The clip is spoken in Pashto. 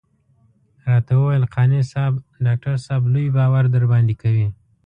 راته وويل قانع صاحب ډاکټر صاحب لوی باور درباندې کوي.